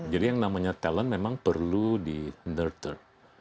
jadi yang namanya talent memang perlu di nurture